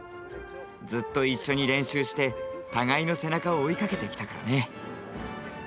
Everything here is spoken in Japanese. ずっと一緒に練習して互いの背中を追いかけてきたからね。